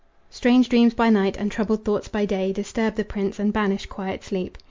Strange dreams by night and troubled thoughts by day Disturb the prince and banish quiet sleep.